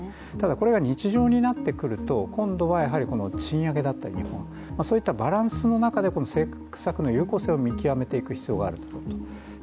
これが日常になってくると今度は賃上げだったりそういったバランスの中で政策の有効性を見極めていく必要があると。